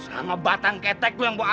sama batang ketek lo yang buat asem